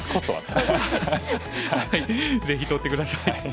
ぜひ取って下さい。